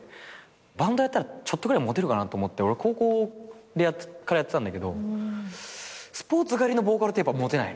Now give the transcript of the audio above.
バンドやったらちょっとぐらいモテるかなと思って俺高校からやってたんだけどスポーツ刈りのボーカルってやっぱモテないね。